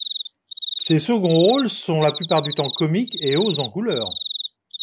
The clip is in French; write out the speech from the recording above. Ses seconds rôles sont la plupart du temps comiques et hauts en couleur.